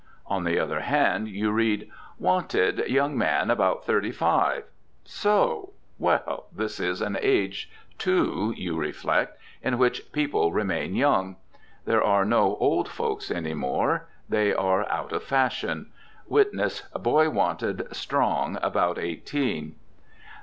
On the other hand, you read: "Wanted, young man, about thirty five." So! Well, this is an age, too (you reflect) in which people remain young. There are no old folks any more; they are out of fashion. Witness, "Boy wanted, strong, about eighteen."